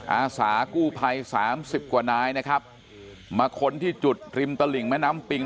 อาสากู้ภัยสามสิบกว่านายนะครับมาค้นที่จุดริมตลิ่งแม่น้ำปิง